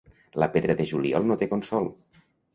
La pedra de juliol no té consol.